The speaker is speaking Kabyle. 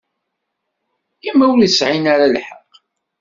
I ma ur sɛin ara lḥeqq?